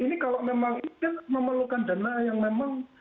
ini kalau memang ingin memerlukan dana yang memang